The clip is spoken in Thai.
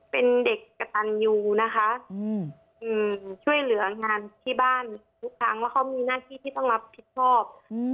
เป็นเด็กกระตันยูนะคะช่วยเหลืองานที่บ้านทุกครั้งว่าเขามีหน้าที่ที่ต้องรับผิดชอบ